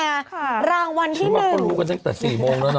ค่ะรางวัลที่๑นึกว่าก็รู้กันตั้งแต่๔โมงแล้วเนอะ